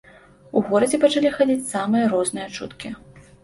У горадзе пачалі хадзіць самыя розныя чуткі.